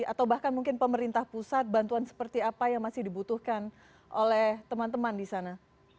atau bahkan mungkin pemerintah pusat bantuan seperti apa yang masih dibutuhkan oleh teman teman di sana